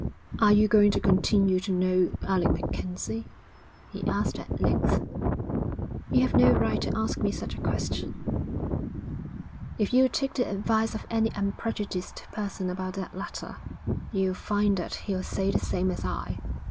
'Are you going to continue to know Alec MacKenzie?' he asked at length. 'You have no right to ask me such a question.' 'If you'll take the advice of any unprejudiced person about that letter, you'll find that he'll say the same as I.